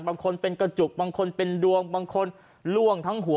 บางคนเป็นกระจุกบางคนเป็นดวงบางคนล่วงทั้งหัว